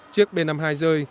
chiếc b năm mươi hai rơi